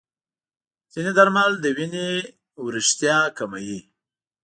ځینې درمل د وینې وریښتیا کموي.